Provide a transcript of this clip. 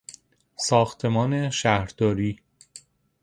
ساختمان شهرداری